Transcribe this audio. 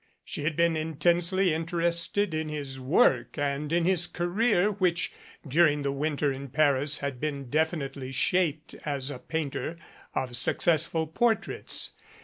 She had been intensely interested in his work and in his career which during the winter in Paris had been definitely shaped as a painter of successful portraits.